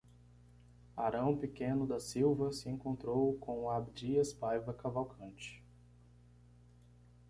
Aarão Pequeno da Silva se encontrou com Abdias Paiva Cavalcante